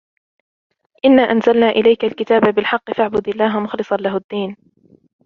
إنا أنزلنا إليك الكتاب بالحق فاعبد الله مخلصا له الدين